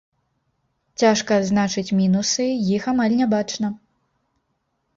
Цяжка адзначыць мінусы, іх амаль не бачна.